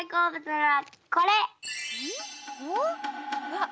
わっ！